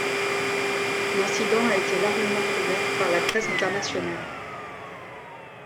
L'incident a été largement couvert par la presse internationale.